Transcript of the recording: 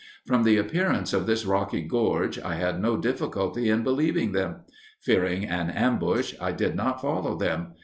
From the appearance of this rocky gorge I had no difficulty in believing them. Fearing an ambush, I did not follow them.